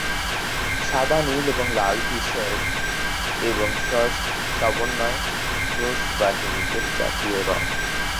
সাদা, নীল এবং লাল টি- শার্ট এবং শর্টস সমন্বয় রুশ দলের জাতীয় রং।